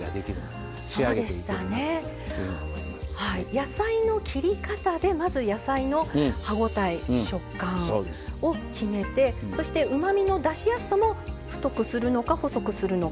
野菜の切り方でまず野菜の歯応え食感を決めてそしてうまみの出しやすさも太くするのか細くするのか